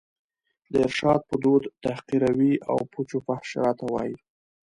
د ارشاد په دود تحقیروي او پوچ و فحش راته وايي